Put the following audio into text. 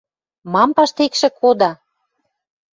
Мам паштекшӹ кода?